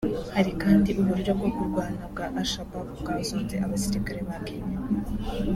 Hari kandi uburyo bwo kurwana bwa Al Shabaab bwazonze abasirikare ba Kenya